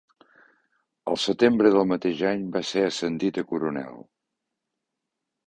Al setembre del mateix any va ser ascendit a coronel.